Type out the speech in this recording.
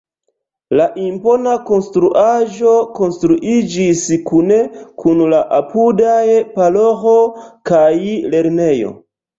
La impona konstruaĵo konstruiĝis kune kun la apudaj paroĥo kaj lernejo.